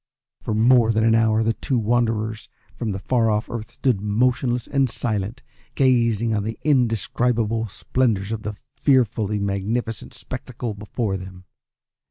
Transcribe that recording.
For more than an hour the two wanderers from the far off Earth stood motionless and silent, gazing on the indescribable splendours of the fearfully magnificent spectacle before them.